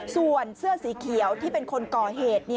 ส่วนเสื้อสีเขียวที่เป็นคนก่อเหตุ